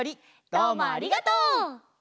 どうもありがとう！